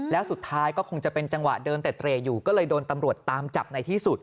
แล้วสุดท้ายก็คงจะเป็นจังหวะเดินเต็ดเตรอยู่ก็เลยโดนตำรวจตามจับในที่สุด